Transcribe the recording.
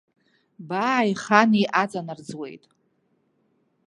Бааи хани аҵанарӡуеит.